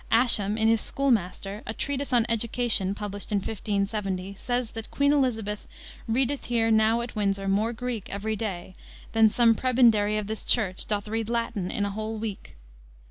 Ascham in his Schoolmaster, a treatise on education, published in 1570, says, that Queen Elisabeth "readeth here now at Windsor more Greek every day, than some prebendarie of this Church doth read Latin in a whole week."